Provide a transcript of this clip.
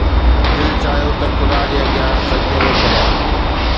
دل چاهيو ته خدا جي اڳيان سجدي ۾ ڪريان